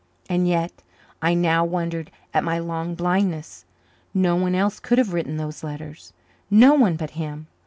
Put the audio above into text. And yet I now wondered at my long blindness. No one else could have written those letters no one but him.